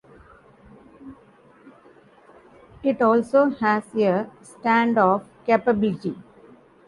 It also has a standoff capability.